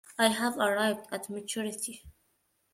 I have arrived at maturity.